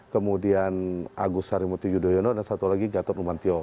kemudian agus sarimutu yudhoyono dan satu lagi gatot umantio